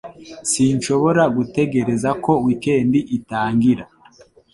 Sinshobora gutegereza ko weekend itangira